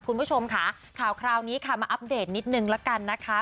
คุณผู้ชมค่ะข่าวคราวนี้ค่ะมาอัปเดตนิดนึงละกันนะคะ